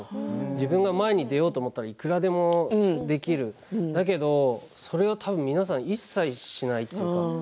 自分が前でいようと思ったらいくらでもできるだけど、それを皆さん一切しない。